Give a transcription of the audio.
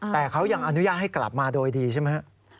แต่เขายังอนุญาตให้กลับมาโดยดีใช่ไหมครับ